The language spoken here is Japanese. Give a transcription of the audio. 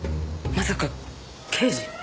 まさか刑事？